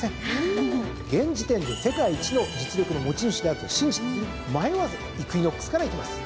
現時点で世界一の実力の持ち主であると信じて迷わずイクイノックスからいきます。